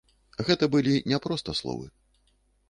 Гэта былі не проста словы.